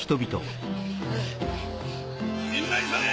みんな急げ！